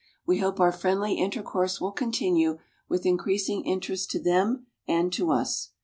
We hope our friendly intercourse will continue, with increasing interest to them and to us.